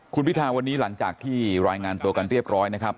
คุณพิธาวันนี้หลังจากที่รายงานตัวกันเรียบร้อยนะครับ